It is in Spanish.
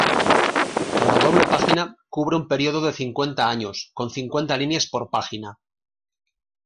Cada doble página cubre un período de cincuenta años, con cincuenta líneas por página.